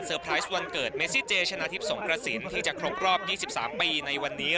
ไพรส์วันเกิดเมซิเจชนะทิพย์สงกระสินที่จะครบรอบ๒๓ปีในวันนี้